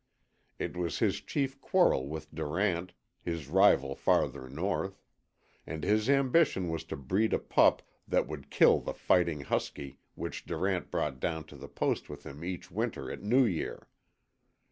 It was his chief quarrel with Durant, his rival farther north; and his ambition was to breed a pup that would kill the fighting husky which Durant brought down to the Post with him each winter at New Year.